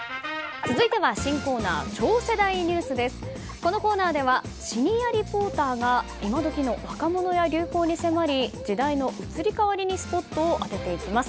このコーナーではシニアリポーターが今どきの若者や流行に迫り時代の移り変わりにスポットを当てていきます。